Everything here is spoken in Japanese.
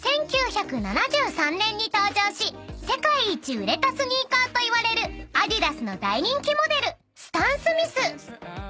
［１９７３年に登場し世界一売れたスニーカーといわれるアディダスの大人気モデルスタンスミス］